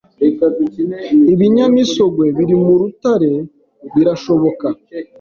Ibinyamisogwe biri mu rutare birashoboka